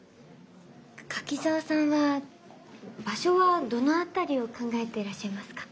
柿沢さんは場所はどの辺りを考えてらっしゃいますか？